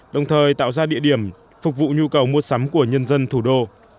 đồng thời tạo ra địa điểm phục vụ nhu cầu mua sắm của nhân dân thủ đô